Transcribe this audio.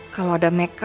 kalau ada meka